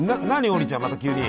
王林ちゃんまた急に。